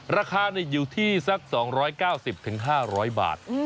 ราคาอยู่ที่๒๙๐ถึง๕๐๐บาท